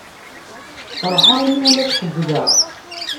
Ferḥeɣ imi ulac ḥedd da.